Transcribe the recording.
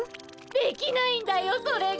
できないんだよそれが。